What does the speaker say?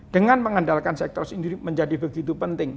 dengan mengandalkan sektor sendiri menjadi begitu penting